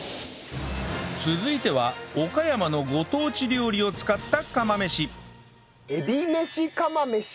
続いては岡山のご当地料理を使った釜飯えびめし釜飯？